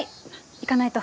行かないと。